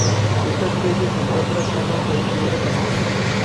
Esta especie se encuentra zonas de piedra caliza.